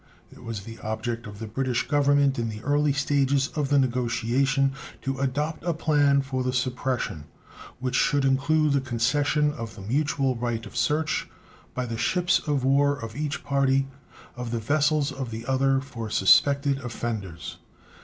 It was the object of the British Government in the early stages of the negotiation to adopt a plan for the suppression which should include the concession of the mutual right of search by the ships of war of each party of the vessels of the other for suspected offenders.